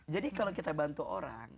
jadi kalau kita bantu orang